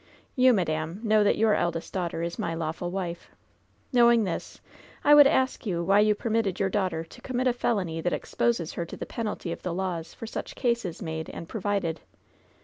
You, madam, know that your eldest dau^ter is my law ful wife. Knowing this, I would ask you why you per mitted your daughter to commit a felony that exposes her to the penalty of the laws for such cases made and provided